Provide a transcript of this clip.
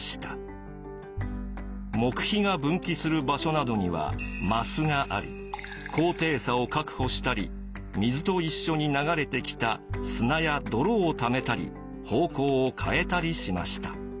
木が分岐する場所などには枡があり高低差を確保したり水と一緒に流れてきた砂や泥を貯めたり方向を変えたりしました。